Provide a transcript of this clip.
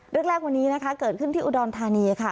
เรื่องแรกวันนี้นะคะเกิดขึ้นที่อุดรธานีค่ะ